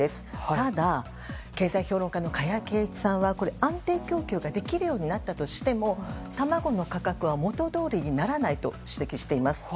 ただ、経済評論家の加谷珪一さんは安定供給ができるようになったとしても卵の価格は元どおりにならないと指摘しています。